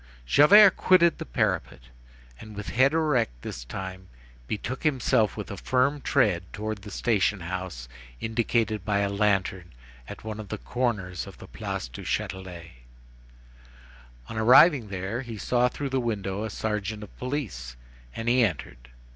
Javert quitted the parapet, and, with head erect this time, betook himself, with a firm tread, towards the station house indicated by a lantern at one of the corners of the Place du Châtelet. On arriving there, he saw through the window a sergeant of police, and he entered.